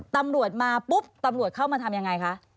ตำรวจมาปุ๊บตำรวจเข้ามาทำยังไงคะ